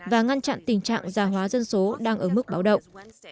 và ngăn chặn tình trạng gia hóa dân số đang ở mức báo động